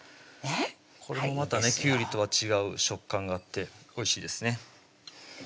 これもまたねきゅうりとは違う食感があっておいしいですね